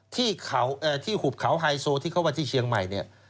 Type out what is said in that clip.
ที่หุบเขาไฮโซที่เขาว่าที่เชียงใหม่เนี่ย